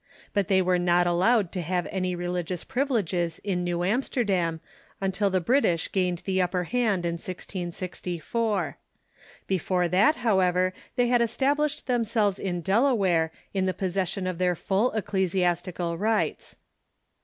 But they were not allowed to have any religious privileges in New Amsterdam until the British gained the upperhand in 1664. Before that, however, they had established themselves in Delaware in the possession of their full ecclesiastical rights.